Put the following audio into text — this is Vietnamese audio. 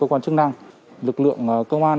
cơ quan chức năng lực lượng cơ quan